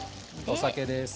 お酒です。